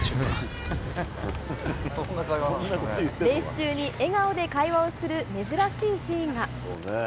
レース中に笑顔で会話をする珍しいシーンが。